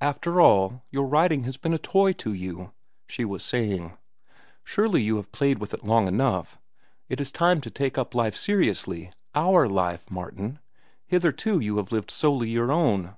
"After all, your writing has been a toy to you," she was saying. "Surely you have played with it long enough. It is time to take up life seriously—our life, Martin. Hitherto you have lived solely your own."